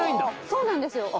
そうなんですよ。